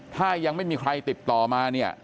ถ้ายังไม่มีใครติดต่อมาเนี่ย